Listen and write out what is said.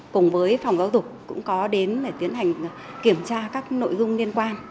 cùng với phòng giáo dục cũng có đến để tiến hành kiểm tra các nội dung liên quan